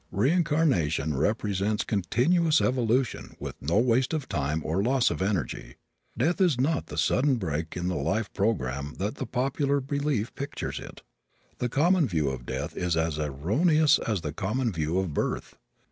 Reincarnation represents continuous evolution with no waste of time or loss of energy. Death is not the sudden break in the life program that the popular belief pictures it. The common view of death is as erroneous as the common view of birth.